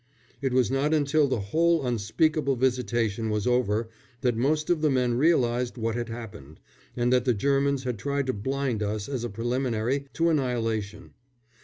It was not until the whole unspeakable visitation was over that most of the men realised what had happened, and that the Germans had tried to blind us as a preliminary to annihilation.